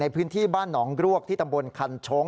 พื้นที่บ้านหนองรวกที่ตำบลคันชง